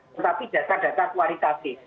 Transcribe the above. tetapi data data kualitatif